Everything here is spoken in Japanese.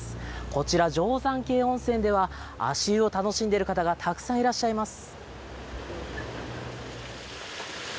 こちら定山渓温泉では足湯を楽しんでる方がたくさんいらっしゃいます。